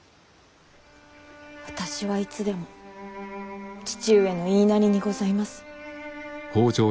私はいつでも父上の言いなりにございます。